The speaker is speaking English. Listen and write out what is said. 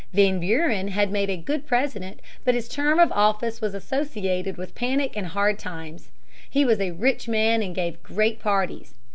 Van Buren had made a good President, but his term of office was associated with panic and hard times. He was a rich man and gave great parties.